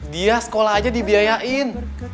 dia sekolah aja dibiayain